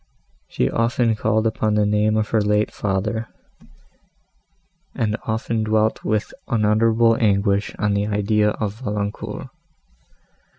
She often called upon the name of her late father, and often dwelt with unutterable anguish on the idea of Valancourt.